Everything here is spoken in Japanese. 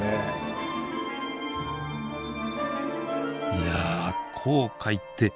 いや紅海って